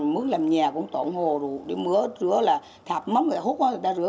mướn làm nhà cũng tổn hồ rồi để mưa rửa là thạp mắm người ta hút qua người ta rửa